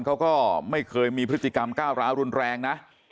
เขาก็ไม่เคยมีพฤติกรรมก้าวร้าวรุนแรงนะ